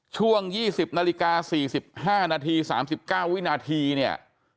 ช่วงยี่สิบนาฬิกาสี่สิบห้านาทีสามสิบเก้าวินาทีเนี่ย